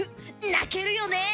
泣けるよねえ！